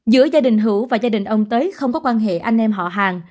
giữa gia đình hữu và gia đình ông tới không có quan hệ anh em họ hàng